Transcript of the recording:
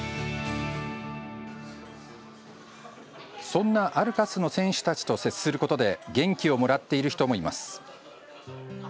そんなアルカスの選手たちと接することで元気をもらっている人もいます。